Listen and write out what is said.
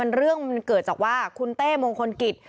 เรื่องมันเกิดจากว่าคุณเต้มงคลกิจ